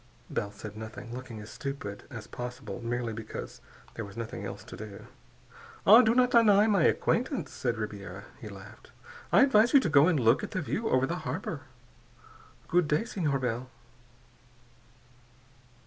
Bell said nothing, looking as stupid as possible, merely because there was nothing else to do. "Ah, do not deny my acquaintance!" said Ribiera. He laughed. "I advise you to go and look at the view, over the harbor. Good day, Senhor Bell."